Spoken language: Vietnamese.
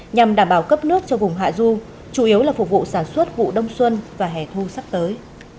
nhằm đảm bảo cấp nước cho vùng hạ du chủ yếu là phục vụ sản xuất vụ đông xuân và hẻ thu sắp tới